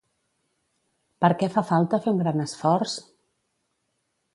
Per què fa falta fer un gran esforç?